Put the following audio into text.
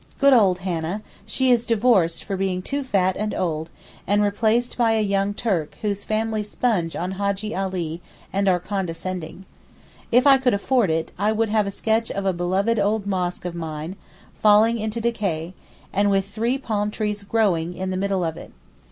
Good old Hannah, she is divorced for being too fat and old, and replaced by a young Turk whose family sponge on Hajjee Ali and are condescending. If I could afford it, I would have a sketch of a beloved old mosque of mine, falling to decay, and with three palm trees growing in the middle of it.